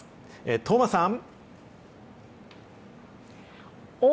當麻さん。